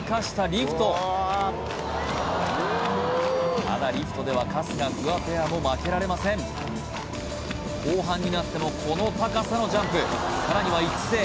リフトでは春日フワペアも負けられません後半になってもこの高さのジャンプさらには一致性